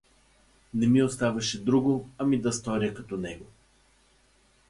Не ми оставаше друго, ами да сторя като него.